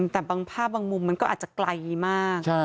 แต่บางภาพบางมุมมันก็อาจจะไกลมาก